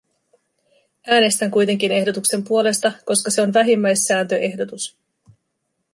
Äänestän kuitenkin ehdotuksen puolesta, koska se on vähimmäissääntöehdotus.